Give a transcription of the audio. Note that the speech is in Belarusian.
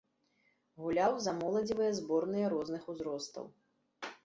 Гуляў за моладзевыя зборныя розных узростаў.